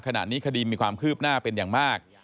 ขณะนี้คดีมีความคืบหน้าเป็นอย่างมาก